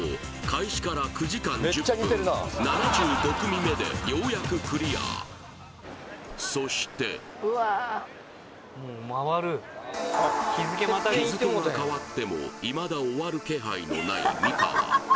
開始から９時間１０分７５組目でようやくクリアそして日付が変わってもいまだ終わる気配のない美川